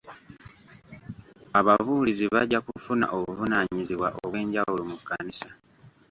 Ababuulizi bajja kufuna obuvunaanyizibwa obw'ejawulo mu kkanisa.